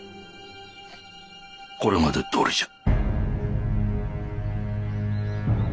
これまでどおりじゃ。